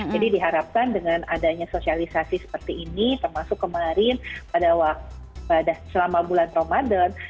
jadi diharapkan dengan adanya sosialisasi seperti ini termasuk kemarin pada selama bulan ramadan